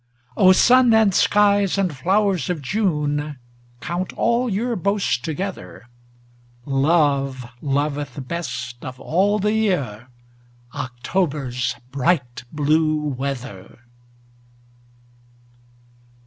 O sun and skies and flowers of June, Count all your boasts together, Love loveth best of all the year October's bright blue weather.